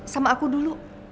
sama aku dulu